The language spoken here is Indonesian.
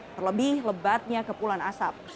terlebih lebatnya kepulan asap